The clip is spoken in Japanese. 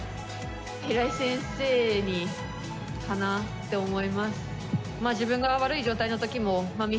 平井先生かなって思います。